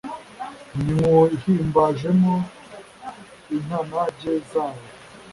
Nywuhimbajemo intanage zabo